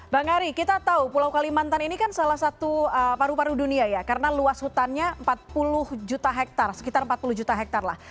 bang ari kita tahu pulau kalimantan ini kan salah satu paru paru dunia ya karena luas hutannya empat puluh juta hektare sekitar empat puluh juta hektare lah